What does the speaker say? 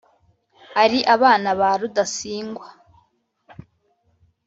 ari abana ba rudasingwa